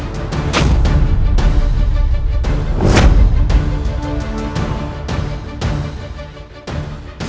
terima kasih jin